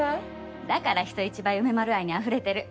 だから人一倍梅丸愛にあふれてる。